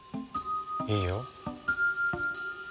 いいよ。